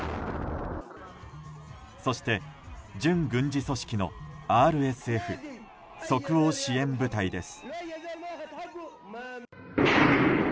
そして、準軍事組織のＲＳＦ・即応支援部隊です。